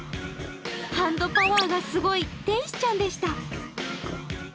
ハンドパワーがすごい、天使ちゃんでした。